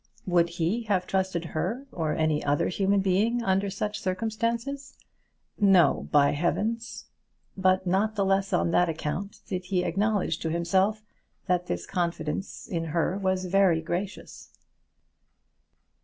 Would he have trusted her or any other human being under such circumstances? No, by heavens! But not the less on that account did he acknowledge to himself that this confidence in her was very gracious.